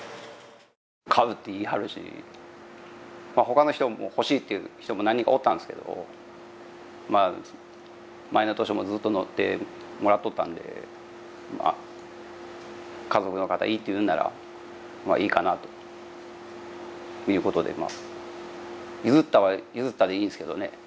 買うって言い張るし他の人も欲しいという人も何人かおったんですけどまあ前の年もずっと乗ってもらっとったんで家族の方がいいと言うならまあいいかなということで譲ったは譲ったでいいんですけどね